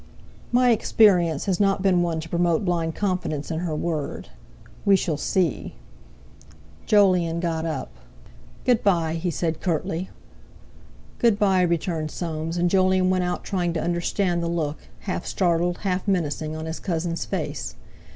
"My experience has not been one to promote blind confidence in her word. We shall see." Jolyon got up. "Good bye," he said curtly. "Good bye," returned Soames; and Jolyon went out trying to understand the look, half startled, half menacing, on his cousin's face.